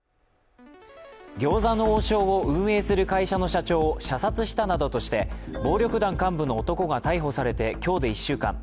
餃子の王将を運営する会社の社長を射殺したなどとして暴力団幹部の男が逮捕されて今日で１週間。